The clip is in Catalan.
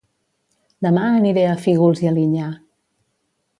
Dema aniré a Fígols i Alinyà